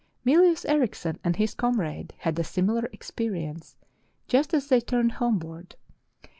Mylius Erichsen and his comrade had a similar ex perience just as they turned homeward.